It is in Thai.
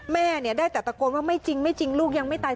แม่ได้แต่ตะโกนว่าไม่จริงไม่จริงลูกยังไม่ตาย